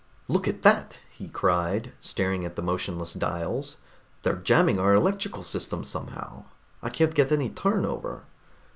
"Look at that!" he cried, staring at the motionless dials. "They're jamming our electrical system somehow. I can't get any turn over."